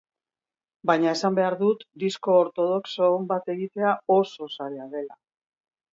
Baina esan behar dut disko ortodoxo on bat egitea oso zaila dela.